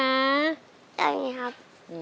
อย่างนี้ครับ